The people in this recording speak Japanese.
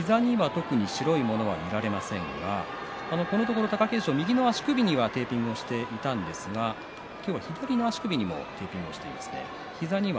膝には特に白いものは見られませんがこのところ貴景勝、右の足首にはテーピングをしていたんですが今日は左の足首にもテーピングをしています。